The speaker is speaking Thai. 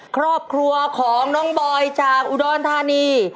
ครอบครัวของน้องบอยจากอุดรธานี